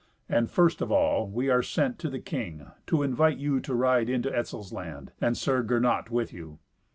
And, first of all, we are sent to the king, to invite you to ride into Etzel's land, and Sir Gernot with you.